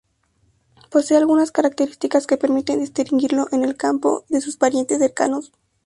Posee algunas características que permiten distinguirlo en el campo de sus parientes cercanos.